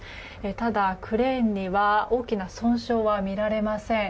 ただ、クレーンには大きな損傷は見られません。